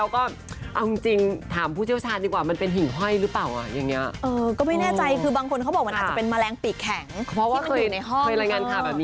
ค่ะแต่ว่าของเหล่านี้มันก็มีเรื่องครูบาอาจารย์เนอะ